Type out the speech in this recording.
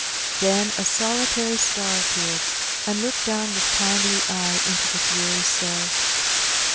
Then a 8K>litary star appeared, and looked down with kindly eye into the dreary cell.